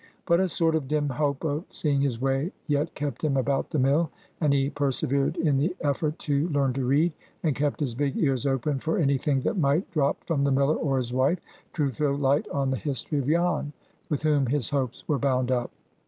But a sort of dim hope of seeing his way yet kept him about the mill, and he persevered in the effort to learn to read, and kept his big ears open for any thing that might drop from the miller or his wife to throw light on the history of Jan, with whom his hopes were bound up.